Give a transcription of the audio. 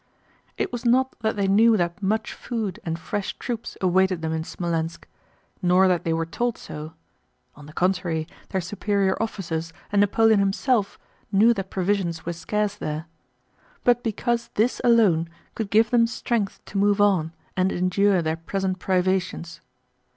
It was not that they knew that much food and fresh troops awaited them in Smolénsk, nor that they were told so (on the contrary their superior officers, and Napoleon himself, knew that provisions were scarce there), but because this alone could give them strength to move on and endure their present privations.